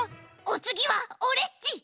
おつぎはオレっち！